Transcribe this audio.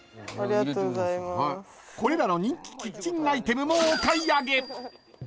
［これらの人気キッチンアイテムもお買い上げ］